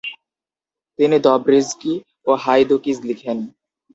তিনি দব্রিজকি এবং হাইদুকিজ লিখেন।